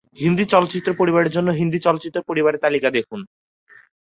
হিন্দি চলচ্চিত্র পরিবারের জন্য, "হিন্দি চলচ্চিত্র পরিবারের তালিকা" দেখুন।